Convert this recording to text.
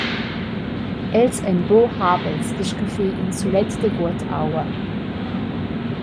Els ein buca habels da scaffir in sulet daguot aua.